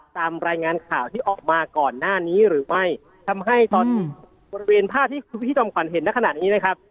ตามรายงานข่าวที่ออกมาก่อนหน้านี้หรือไม่ทำให้ตอนบริเวณภาพที่คุณพี่จอมขวัญเห็นในขณะนี้นะครับ